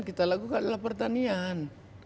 kita lakukan adalah pertanian